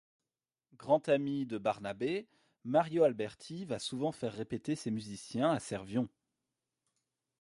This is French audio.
Grand ami de Barnabé, Mario Alberti va souvent faire répéter ses musiciens à Servion.